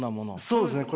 そうですね。